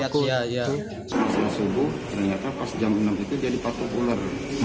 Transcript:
pada saat subuh ternyata pas jam enam itu dia dipakai ular